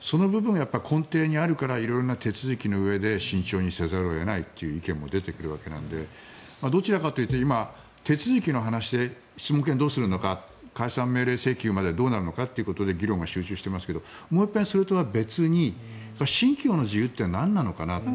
その部分が根底にあるから色んな手続きのうえで慎重にせざるを得ないという意見も出てくるわけなのでどちらかというと今、手続きの話で質問権、どうするのか解散命令請求までどうするのかというところで議論が集中してますがもう一遍、それとは別に信教の自由というのはなんなのかなと。